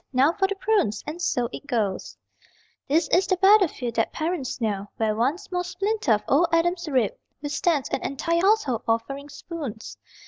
Now for the prunes.... And so it goes. This is the battlefield that parents know, Where one small splinter of old Adam's rib Withstands an entire household offering spoons.